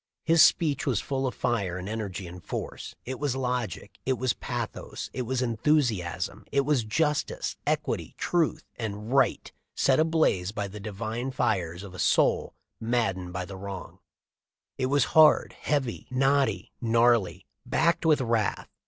His speech was full of fire and energy and force ; it was logic ; it was pathos ; it was enthusiasm ; it was justice, equity, truth, and right set ablaze by the divine fires of a soul mad dened by the wrong ; it was hard, heavy, knotty, gnarly, backed with wrath.